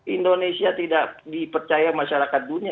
indonesia tidak dipercaya masyarakat dunia